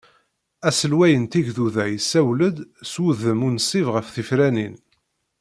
Aselway n tigduda yessawel-d s wudem unṣib ɣer tefranin.